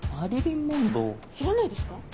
知らないですか？